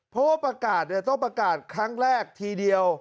เพราะว่าประกาศต้องประกาศครั้งแรกทีเดียว